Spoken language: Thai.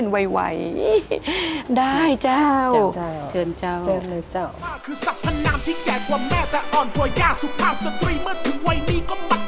กรูผู้สืบสารล้านนารุ่นแรกแรกรุ่นเลยนะครับผม